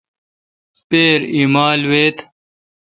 پپرہ ایمال ویت۔